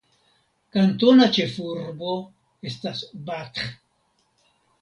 Kantona ĉefurbo estas Bath.